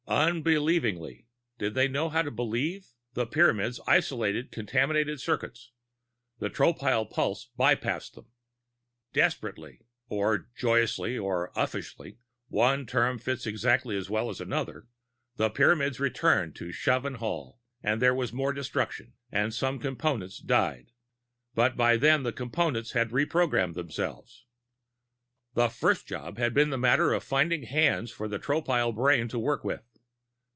Unbelievingly (did they know how to "believe"?), the Pyramids isolated contaminated circuits; the Tropile pulse bypassed them. Desperately (or joyously or uffishly one term fits exactly as well as another), the Pyramids returned to shove and haul, and there was much destruction, and some Components died. But by then, the Components had reprogrammed themselves. The first job had been the matter of finding hands for the Tropile brain to work with.